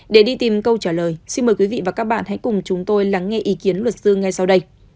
để đi tìm câu trả lời xin mời quý vị và các bạn hãy cùng chúng tôi lắng nghe ý kiến luật sư ngay sau đây